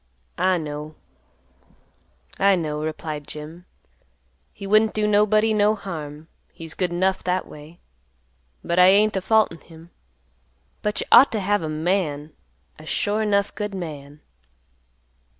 "I know, I know," replied Jim. "He wouldn't do nobody no harm; he's good enough that way, and I ain't a faultin' him. But you ought to have a man, a sure enough good man."